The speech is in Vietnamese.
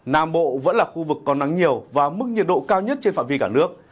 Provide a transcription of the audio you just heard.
nam bộ vẫn là khu vực có nắng nhiều và mức nhiệt độ cao nhất trên phạm vi cả nước